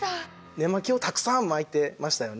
根巻きをたくさん巻いてましたよね。